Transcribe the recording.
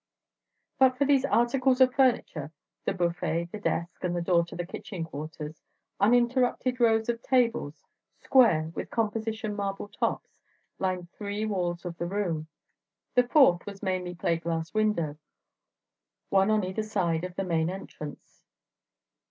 But for these articles of furniture, the buffet, the desk, and the door to the kitchen quarters, uninterrupted rows of tables, square, with composition marble tops, lined three walls of the room. The fourth was mainly plate glass window, one on either side of the main entrance.